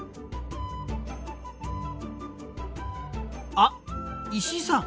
あっ石井さん